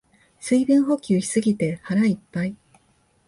水分補給しすぎて腹いっぱい